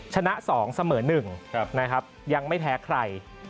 ชนะ๒เสมอ๑ยังไม่แท้ใคร